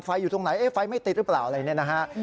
ไฟอยู่ตรงไหนไฟไม่ติดรึเปล่าอะไรแน่นะฮะ